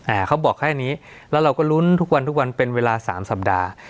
อ่าเขาบอกแค่นี้แล้วเราก็ลุ้นทุกวันทุกวันเป็นเวลาสามสัปดาห์